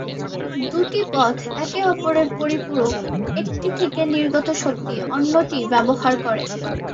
দুটি পথ একে অপরের পরিপূরক একটি থেকে নির্গত শক্তি অন্যটি ব্যবহার করে।